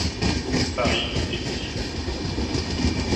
Paris, Éd.